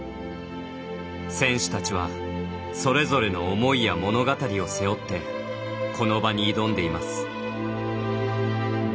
選手たちはそれぞれの思いや物語を背負ってこの場に挑んでいます。